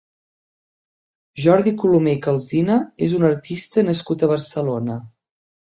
Jordi Colomer i Calsina és un artista nascut a Barcelona.